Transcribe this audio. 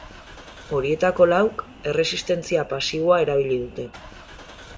Horietako lauk erresistentzia pasiboa erabili dute.